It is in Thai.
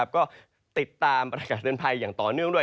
ก็ติดตามประกาศเตือนภัยอย่างต่อเนื่องด้วย